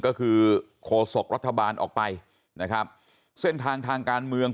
ก็คือโคศกรัฐบาลออกไปนะครับเส้นทางทางการเมือง